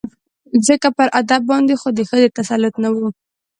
ځکه پر ادب باندې خو د ښځې تسلط نه و